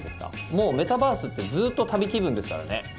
もうメタバースってずっと旅気分ですからね。